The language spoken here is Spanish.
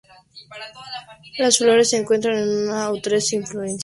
Las flores se encuentran en una o tres inflorescencias terminales al final del tallo.